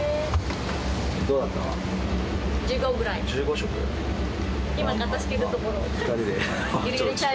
どうだった？